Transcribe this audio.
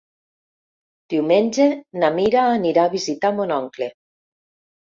Diumenge na Mira anirà a visitar mon oncle.